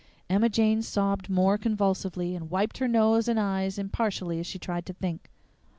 Emma Jane sobbed more convulsively, and wiped her nose and eyes impartially as she tried to think.